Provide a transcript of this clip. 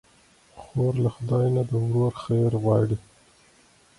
خور له خدای نه د ورور خیر غواړي.